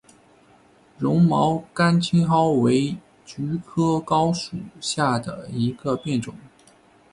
绒毛甘青蒿为菊科蒿属下的一个变种。